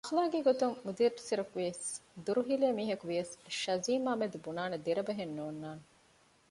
އަޚުލާޤީ ގޮތުން މުދައްރިސަކު ވިޔަސް ދުރުހިލޭ މީހަކުވިޔަސް ޝަޒީމް އާމެދު ބުނާނެ ދެރަ ބަހެއް ނޯންނާނެ